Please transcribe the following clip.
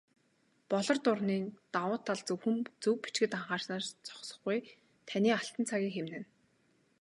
"Болор дуран"-ийн давуу тал зөвхөн зөв бичихэд анхаарснаар зогсохгүй, таны алтан цагийг хэмнэнэ.